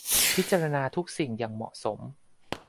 พิจารณาทุกสิ่งอย่างเหมาะสม